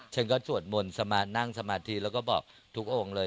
ฉันก็สวดมนต์นั่งสมาธิแล้วก็บอกทุกองค์เลย